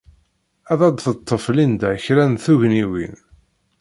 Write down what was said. Ad d-teḍḍef Linda kra n tugniwin.